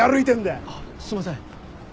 あっすいません。